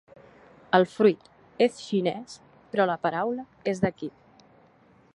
El fruit és xinès però la paraula és d'aquí.